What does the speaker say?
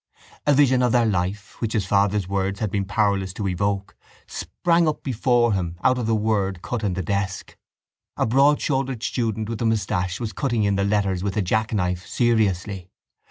A vision of their life, which his father's words had been powerless to evoke, sprang up before him out of the word cut in the desk. A broadshouldered student with a moustache was cutting in the letters with a jackknife, seriously.